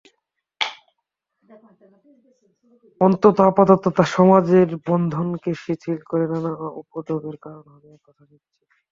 অন্তত আপাতত তা সমাজ-বন্ধনকে শিথিল করে নানা উপদ্রবের কারণ হবে, এ কথা নিশ্চিত।